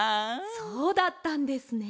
そうだったんですね。